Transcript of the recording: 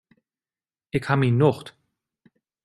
Ik ha myn nocht.